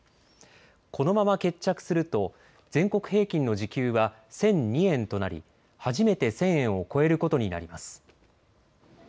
このまま決着すると全国平均の時給は１００２円となり初めて１０００円を超えることになります。